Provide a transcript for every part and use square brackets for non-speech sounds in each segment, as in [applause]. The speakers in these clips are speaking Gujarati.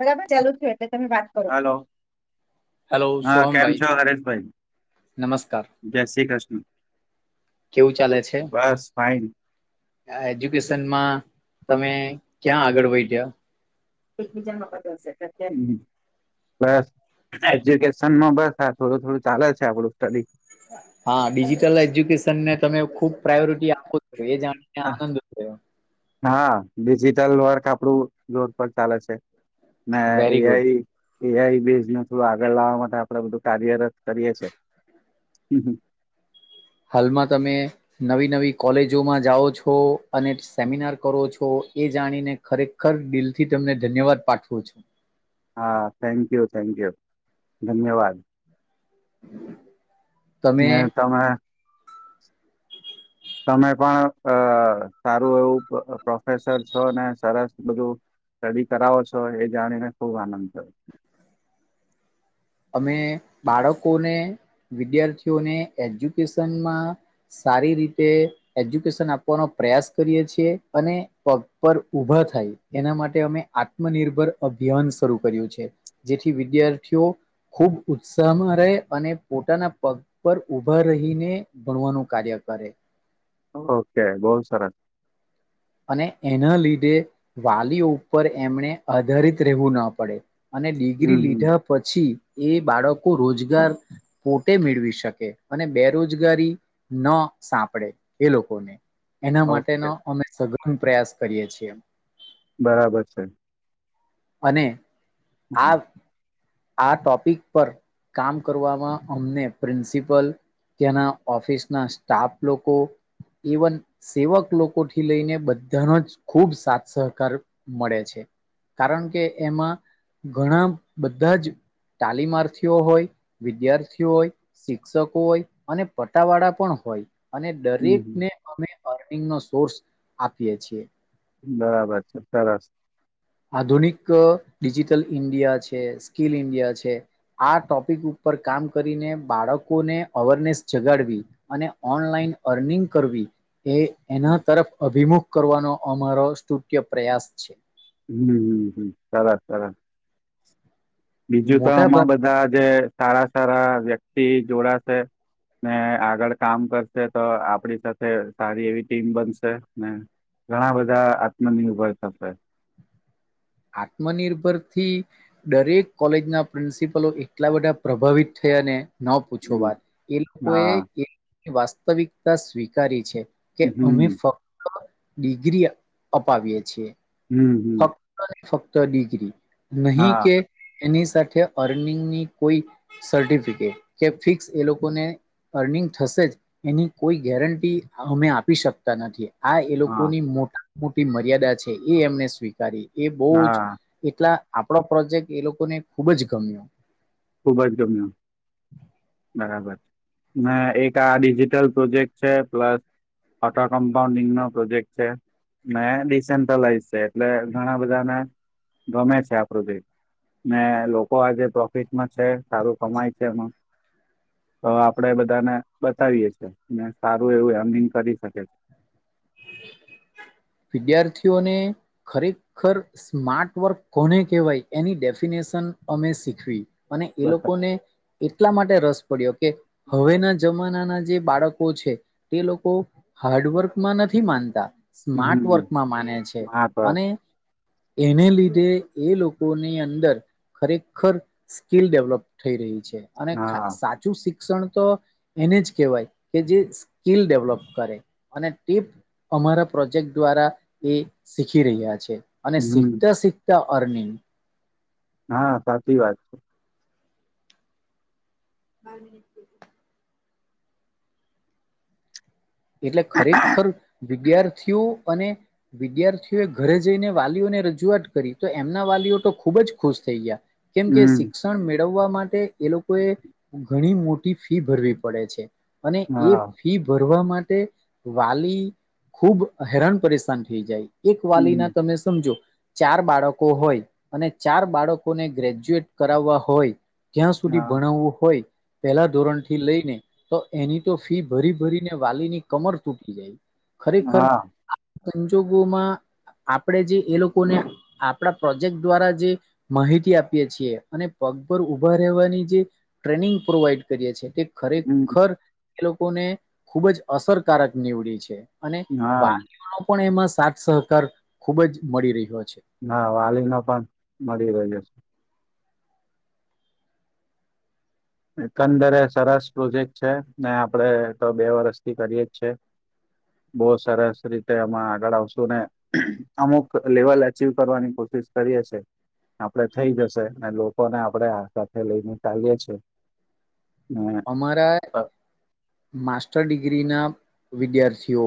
બરાબર ચાલુ થ એટલે તમે વાત કરો. હેલો હલો હા કેમ સોહમભાઈ છો હરેશભાઈ નમસ્કાર જય શ્રી કૃષ્ણ. કેવું ચાલે છે બસ ફાઈન. આ એજ્યુકેશનમાં તમે ક્યાં આગળ વધ્યા આગળ. બસ એજ્યુકેશનમાં બસ. આ થોડું થોડું ચાલે છે આપણું સ્ટડી. હા ડિજટલ એજ્યુકેશન ને તમે ખુબ પ્રાયોરિટી આપો છો એ જાણીને આનંદ. હ [unintelligible] હા ડિજિટલ વર્ક આપડું રડ ચાલે છે. ના વેરી ગુડ [unintelligible] એઆઈ બેઝનું [unintelligible] આગળ લાવવા માટે આપડે બધું કાર્યરત કરીએ છી. હમ. હાલમાં તમે નવી નવી કોલેજોમાં જાઓ છો અને સેમિનાર કરો છો. એ જાણીને ખરેખર દિલથી તમને ધન્યવાદ પાઠવું છું. હા થેન્ક યુ થેન્ક યુ ધન્યવાદ. તમે એ તમે. તમે પણ અ સારું એવું પ્રોફેસર છો ને સરસ બધું. સ્ટડી કરાવો છો એ જાણીને ખૂબ આનંદ થયો. તમે બાળકોને. વિદ્યાર્થીઓને એજ્યુકેશનમાં સારી રીતે એજ્યુકેશન આપવાનો. પ્રયાસ કરીએ છીએ અને પગ પર ઉભા થાય એના માટે અમે આત્મનિર્ભર. અભિયાન શરૂ કર્યું છે જેથી વિદ્યાર્થીઓ. ખૂબ ઉત્સાહમાં રહે અને પોતાના પગ પર [unintelligible] ઊભા રહીને ભણવાનું કાર્ય કરે. ઓકે બોલ સરસ. અને એના લીધે વાલીઓ ઉપર એમને આધારિત રહેવું ના પડે. અને હમ ડિગ્રી હમ લીધા પછી. એ બાળકો રોજગાર પોતે મેળવી શકે અને બેરોજગારી ન. સાંપડે એ લોકોને. એના ઓકે માટેનો અમે સઘન પ્રયાસ કરીએ છીએ. બરાબર છે. અને હમ આ. આ ટોપિક પર કામ કરવામાં અમને પ્રિન્સિપલ. ત્યાના ઓફિસ ના સ્ટાફ લોકો. એવન સેવક લોકો થી લઈને બધાનો જ ખૂબ સાથ સહકાર મળે છે. કારણ કે એમાં ઘણા બધા જ. તાલીમાર્થીઓ હોય વિદ્યાર્થીઓ હોય શિક્ષકો હોય અને પટ્ટાવાળા પણ હોય. અને હમ દરેકને અમે અર્નિંગ નો સોર્સ આપીએ છીએ. બરાબર છે, સરસ. આધુનિક ડિજિટલ ઇન્ડિયા છે, સ્કીલ ઇન્ડિયા છે, આ ટોપિક ઉપર. પર કામ કરીને બાળકોને અવેરનેસ જગાડવી અને ઓનલાઈન અર્નિંગ કરવી. એ એના હમ તરફ અભિમુખ કરવાનો અમારો સ્ટુટ્ય પ્રયાસ છે. હમ હમ હમ સરસ સરસ. બીજું તો મોટા અમાં ભાગ બધા જે સારા સારા વ્યક્તિ જોડાશે. ને આગળ કામ કરશે તો આપડી સાથે સારી એવી ટીમ બનશે ને. ઘણા બધા આત્મનિર્ભર થશે. આત્મનિર્ભર થી દરેક કોલેજના પ્રિન્સિપલો એટલા બધા પ્રભાવિત થયા અને. ન પૂછો હમ વાત એ લોકોએ હા એ વાસ્તવિકતા સ્વીકારી છે. કે અમે હમ ફક્ત ડિગ્રી અપાવીએ છીએ. હમ હમ. ફક્ત ને ફક્ત ડિગ્રી નહી હા કે એની. અર્નિંગની કોઈ સર્ટિફિકેટ કે ફિક્સ એ લોકોને. અર્નિંગ થશે જ એની કોઈ ગેરંટી અમે આપી શકતા નથી. આ એ હા લોકોની મોટા મોટી મર્યાદા છે, એ એમને સ્વીકારી. એ બહ જ હા એટલા આપડો પ્રોજેક્ટ એ લોકોને ખુબ જ ગમ્યો. ખુબ [unintelligible] બરાબર છે, એક આ ડિજિટલ પ્રોજેક્ટ છે, પ્લસ. આટા કમ્પાઉન્ડિંગ નો પ્રોજેક્ટ છે, ડિસેન્ટ્રલાઈઝ છે. એટલે ઘણા બધાને ગમે છે, આ પ્રોજેક્ટ ને લોકો [unintelligible] [unintelligible] છે, સારું કમાય છે, એમાં. તો આપડે બધાને બતાવીએીએ સારું એવું રનિંગ કરી શકે છે [inaudible] વિદ્યાર્થીઓને ખરેખર સ્માર્ટ વર્ક કોને કહેવાય એની ડેફિનેશન અમે શીખવી અને એ બતા લોકોને એટલા માટે રસ પડ્યો કે હવેના જમા ના જે બાળકો છે તે લોકો હાર્ડવર્કમાં નથી માનતા સ્માર્ટ હમ વર્કમાં માને છે હા પર અને એને લીધે એ લોકોની અંદર ખરેખર સ્કીિલ ડેવલોપ થઈ રહી છે અને હા સાચું શિક્ષણ તો એને જ કહેવાય કે જે સ્કીલ ડેવલોપ કરે અને ટીપ અમારા પ્રોજેક્ટ દ્વારા એ શીખી રહ્યા છે અને હમ શીખતા શીખતા [unintelligible] હા સાચી વાત છે બાર મટ એટલે ખરેખર વિદ્યાર્થીઓ અને વિદ્યાર્થી ઘરે જઈને વાલીઓને રજૂઆત કરી તો એમના વાલીઓ તો ખુબ જ ખુશ થઈ ગયા કેમ કે હમ શિક્ષણ મેળવવા માટે એ લોકોએ ઘણી મોટી ફી ભરવી પડે છે અને એ હા ફી ભરવા માટે વાલી ખુબ હેરાન પરેશાન થઈ જાય એક વાલી ના હમ તમે સમજો ચાર બાળકો હોય અને ચાર બાળકોને ગ્રેજ્યુએટ કરાવવા હોય ક્યાં સુધી હા ભણાવવું હોય પહેલા ધોરણ થી લઈને તો એની તો ફી ભરી ભરીને વાલી ની કમર તૂટી જાય હા અંજુ ભૂમાં આપણેે જે એ લોકોને આપણા પ્રોજેક્ટ દ્વારા જે માહિતી આપીએ છીએ અને પગબર ઉભા રહેવાની જે ટ્રેનિંગ પ્રોવાઈડ કરીએ છીએ તે હમ ખરેખર એ લોકોને ખુબ જ અસરકારક નીવડી છે. અને હા વાલીનો પણ એમાં સાથ સહકાર ખુબ જ મળી રહ્યો છે. ના વાલી ન પણ મળી રહ છે. એકંદરે એ સરસ પ્રોજેક્ટ છે ને આપડે તો બે વરસથી કરીએ જ છે. બહ સરસ રીતે અમાં આગળ આવશુ ને અમુક લેવલ અચવ કરવાની કોિશ. કરીએ છે આપડે થઈ જશે અને લોકોને આપણે આ સાથે લઈને ચલીએ છીએ. હ અમારા બ. માસ્ટર ડિગ્રી ના વિદ્યાર્થીઓ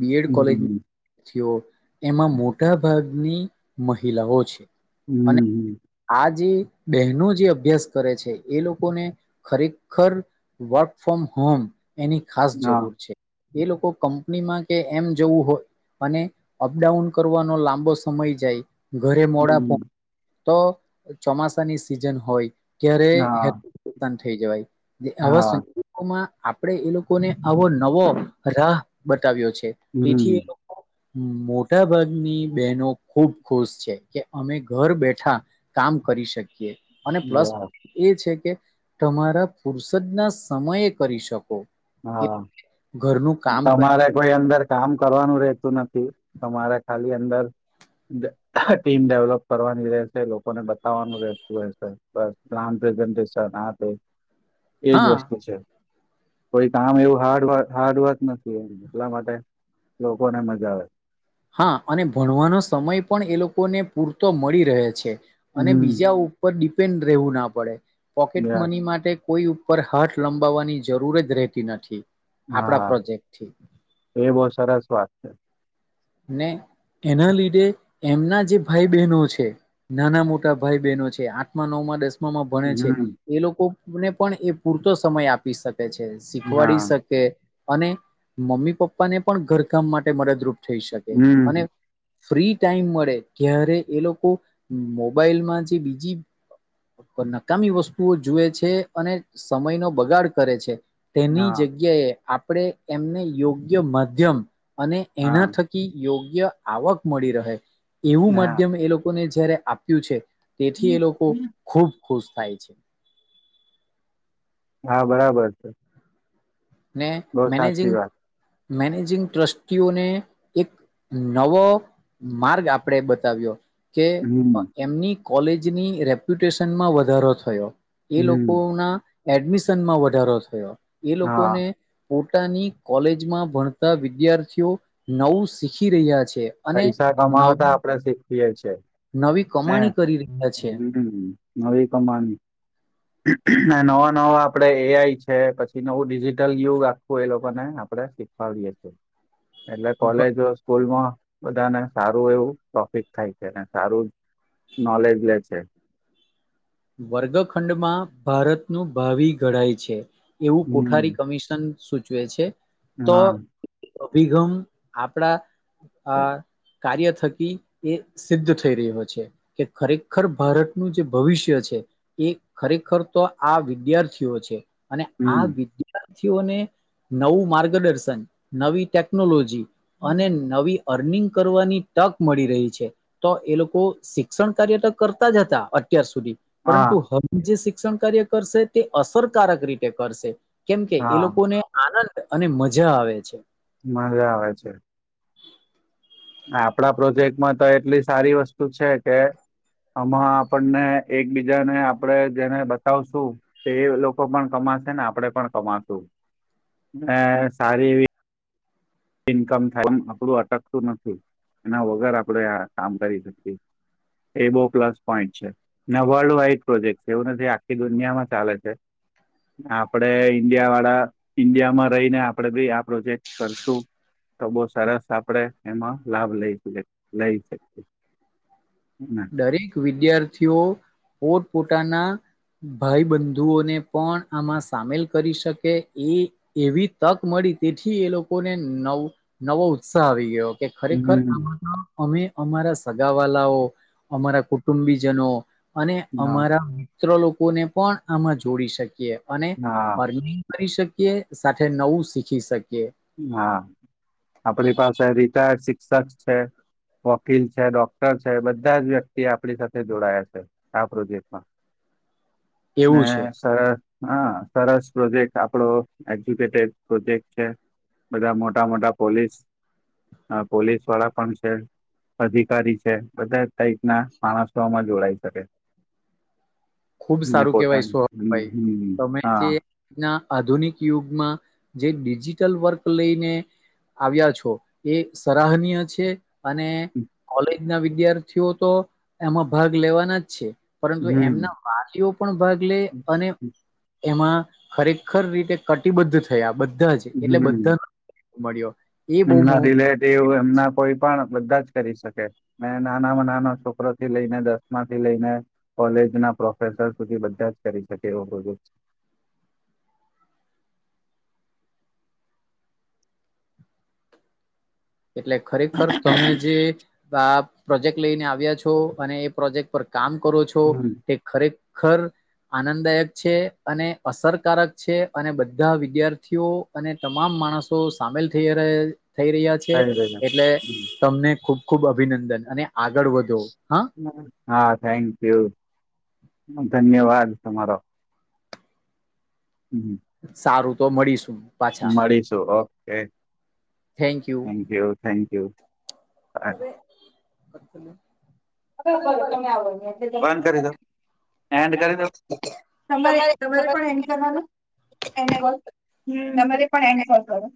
બીએડ કોલેજ હમ વિ્યાર્થીઓ. એમાં મોટા ભાગની મહિલાઓ છે અને હમ આ જે. બહેનો જે અભ્યાસ કરે છે એ લોકોને ખરેખર વર્ક ફ્રોમ હોમ. એની ખાસ હા જરૂર છે એ લોકો કંપનીમાં કે એમ જવું હોય. અને અપડાઉન કરવાનો લાંબો સમય જાય. ઘરે મોડા પ હમ તો ચોમાસાની સિઝન હોય. ક્યારે હે હા થઈ જવાય હા આવામાં. આપણે એ લોકોને આવો નવો રાહ બતાવ્યો છે તેથી હમ એ લોકો. મોટા ભાગની બહેનો ખુબ ખુશ છે કે અમે ઘર બેઠા કામ. કરી શકી્યએ. અને પ્લસ હા એ છે કે તમારા ફુરસદ ના સમયે કરી શકો. કે હા ઘરનું કામ કરી તમારે શકો. કોઈ અંદર કામ કરવાનું. તું નથી તમારે ખાલી અંદર. ટીમ ડેવલોપ કરવાની રહેશે લોકોને બતાવવાનું રહેતું રહેશે બસ્. આપે એજ હા વસ્તુ છે. કોઈ કામ એવું હાર્ડ હાર્ડવર્ક નથી એ એટલા માટે લોકોને મજા આવે. હા અને ભણવાનો સમય પણ એ લોકોને પૂરતો મળી રહે છે. અને હમ બીજા ઉપર ડિપેન્ડ રહેવું ના પડે પોકેટ યસ મની માટે કોઈ. ઉપ હાથ લંબાવવાની જરૂર જ રહેતી નથી. આપણા હા પ્રોજેક્ટથી એ બહ સરસ વાત છે. નને. એના લીધે એમના જે ભાઈ બહેનો છે નાના મોટા ભાઈ બહેનો છે આઠ નવ માં દસ. ભણે છે હમ એ લોકોને પણ એ પૂરતો સમય આપી શકે. હા શીખવાડી શકે અને મમ્મી પપ્પા ને પણ ઘરકામ માટે મદદરૂપ. થઈ શકે અને. હમ ફ્રી ટાઈમ મળે ત્યારે એ લોકો મોબાઈલ માં જે બીજી. નકામી વસ્તુઓ જુએ છે અને સમય નો બગાડ કરે છે. તેની હા જગ્યાએ આપણે એમને યોગ્ય માધ્યમ અને હા એના. યોગ્ય આવક મળી રહે એવું હા માધ્યમ એ લોકોને જયારે આપ્યું છે. તેથી એ લોકો ખુબ ખુશ થાય છે. હા બરાબર છે. ને બહુ સાચી મેનેજિંગ વાત મેનેજિંગ ટ્રસ્ટીઓને એક. નવો માર્ગ આપણે બતાવ્યો. કે હમ એમની કોલેજની રેપ્યુટેશનમાં વધારો થયો. એ લોકો હમ ના એડમિશનમાં વધારો થયો. હા ને [unintelligible] ની કોલેજમાં ભણતા વિદ્યાર્થીઓ નવું શીખી રહ્યા છે. અને પૈસા કમાવતા નવી આપડે શીખીએ છ છેીએ. નવી હ કમાણી કરી રહ્યા છે નવી કની નવા. ન આપડે એઆઈ છે પછી નવું ડિજિટલ યુગ આખું એ લોકોને આપડે શીખવાએે છે. એટલે કોલેજો સ્કૂલમાં બધાને સારું એવું ટોપિક થાય છેને સારું. નલેજ લ છેે. વર્ગખંડમાં ભારતનું ભાવિ ઘડાય છે. એવું હમ કોઠારી કમિશન સૂચવે છે તો હા અભિગમ આપડા આ કાર્ય થકી એ સિદ્ધ થઈ રહ્યો છે કે ખરેખર ભારતનુંું જે ભવિષ્ય છે ખરેખર તો આ વિદ્યાર્થીઓ છે અને હમ આ વિ થીઓને નવું માર્ગદર્શન નવી ટેકનોલોજી અને નવી અર્નિંગ કરવાની તક મળી રહી છે તો એ લોકો શિક્ષણ કાર્ય તો કરતા જ હતા અત્યાર સુધી હા પરંતુ હવે જે શિક્ષણ કાર્ય કરશે તે અસરકારક રીતે કરશે કેમ કે એ હા લોકોને આનંદ અને મજા આવે છે મજા આવે છે આપડા પ્રોજેક્ટમાં તો એટલી સારી વસ્તુ છે કે આમાં આપણને એકબીજાને આપડણે જેને બતાવશું તે લોકો પણ કમા ને આપડે પણ કમાશું સારી એવી ઇન્કમ થાય એમ આપડું અટકતું નથી એના વગર આપણેે આ કામ કરી શકીએ એ બહુ પ્લસ પોઈન્ટ છે વર્લ્ડ વાઈડ પ્રોજેક્ટ છે એવું નથી આખી દુનિયામાં ચાલે છે આપડે ઈન્ડિયા વાળા ઈન્ડિયા માં રહીને આપડે ભી આ પ્રોજેક્ટ કરશું તો બહ સરસ આપણેે એમાં લાભ લઈ લઈ શકીએ [inaudible] દરેક વિદ્યાર્થીઓ પોતપોતાના ભાઈ બંધુઓને પણ આમાં સામેલ કરી શકે એ એવી તક મળી તેથી એ લોકોને નવ નવો ઉત્સાહ આવી ગયો કે ખરેખર આમાં તો અમે અમારા સગા વાલાઓ અમારા કુટુંબીજનો અને હા અમારા મ લોકોને પણ આમાં જોડી શકીએ અને હા અરની કરી શકીએ એ સાથે નવું શીખી શકે હા આપણી પાસે રિટાયર્ડ શિક્ષક છે વકીલ છે ડોક્ટર છે બધા જ વ્યક્તિ આપણી સાથે જોડાયા છે આ પ્રોજેક્ટમાં મે એવું છે સર હા સરસ પ્રોજેક્ટ આપડો એક્ઝક્યુટેડ પ્રોજેક્ટ છે બધા મોટા મોટા પોલીસ પોલીસ વાળા પણ છે અધિકારી છે બધા ટાઈપ ના માણસોમાં જોડાઈ શકે ખુબ ને સારું કેવાય [unintelligible] પોતાની હમ ભાઈ હમ તમે હા જે આધુનિક યુગમાં જે ડિજિટલ વર્ક લઈને આવ્યા છો એ સરાહનીય છે અને કોલેજ ના વિદ્યાર્થીઓ તો એમાં ભાગ લેવાના જ છે પરંતુ હમ એમના વાલીઓ પણ ભાગ લે અને એમાં ખરેખર રીતે કટિબદ્ધ થયા બધા જ એટલે હમ બધાનો મળ્યો એ બહુ એમના રિલેટિવ એમના કોઈ પણ બધા જ કરી શકે મે નાનામાં નાના છોકરો થી લઈને દસમાં થી લઈને કોલેજ ના ના પ્રોફેસર સુધી બધા જ કરી શકે એવો પ્રોજેક્ટ છે [inaudible] એટલે ખરેખર તમે જે આ પ્રોજેક્ટ લઈને આવ્યા છો અને એ પ્રોજેક્ટ પર કામ કરો છો તે ખરેખર આનંદદાયક છે અને અસરકારક છે અને બધા વિદ્યાર્થીઓ અને તમામ માણસો સામેલ થઈ થઈ રહ્યા છે થઈ ગયો એટલે તમને ખુબ ખુબ અભિનંદન અને આગળ વધો હા હા થેન્ક યુ ધન્યવાદ તમારો હમ્મ સારું તો મળીશું પાછા મળીશું okay thank you thank you, [unintelligible] હ તમે આવો [unintelligible] કરી દો એડ કરી દો તમારે તમારે પણ એન્ડ કરવાનું એન્ડ કર હમ્મ તમારે પણ એન્ડ કરવાનો